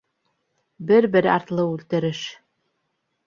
Бер-бер артлы үлтереш...